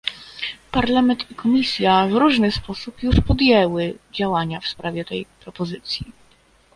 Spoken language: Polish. Parlament i Komisja, w różny sposób, już podjęły działania w sprawie tej propozycji